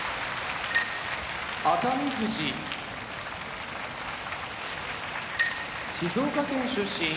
熱海富士静岡県出身